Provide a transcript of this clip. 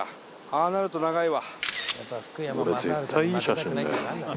ああなると長いわ。